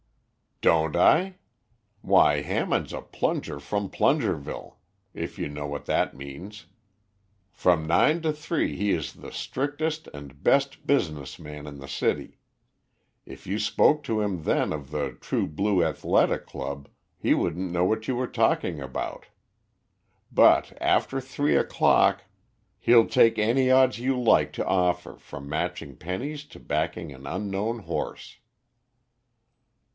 "Don't I? Why, Hammond's a plunger from Plungerville, if you know what that means. From nine to three he is the strictest and best business man in the city. If you spoke to him then of the True Blue Athletic Club he wouldn't know what you were talking about. But after three o'clock he'll take any odds you like to offer, from matching pennies to backing an unknown horse."